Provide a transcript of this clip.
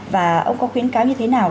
và ông có khuyến cáo như thế nào